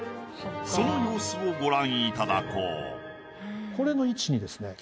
その様子をご覧いただこう。